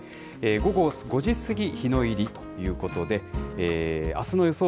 午後５時過ぎ日の入りということで、あすの予想